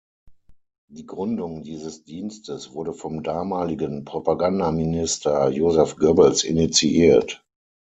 Die Gründung dieses Dienstes wurde vom damaligen Propagandaminister Joseph Goebbels initiiert.